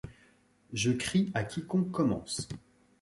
Je crie à quiconque commence